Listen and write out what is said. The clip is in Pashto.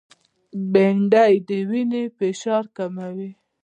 بېنډۍ د وینې فشار کموي